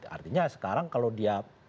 artinya sekarang kalau dia